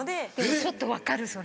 ちょっと分かるそれ。